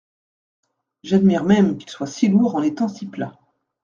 J'admire même qu'il soit si lourd en étant si plat.